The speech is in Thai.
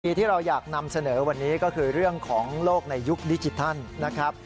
ที่เราอยากนำเสนอวันนี้ก็คือเรื่องของโลกในยุคดิจิทัลนะครับ